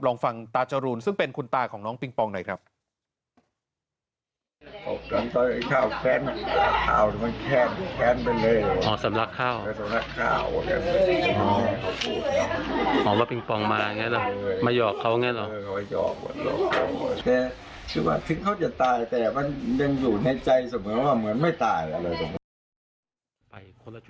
ลองฟังตาจรูนซึ่งเป็นคุณตาของน้องปิงปองหน่อยครับ